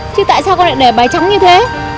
chứ tại sao có lại để bài trắng như thế